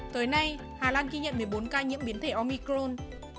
tới nay hà lan ghi nhận một mươi bốn ca nhiễm biến thể omicron